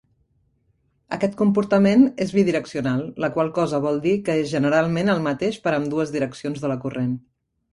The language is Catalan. Aquest comportament és bidireccional, la qual cosa vol dir que és generalment el mateix per a ambdues direccions de la corrent.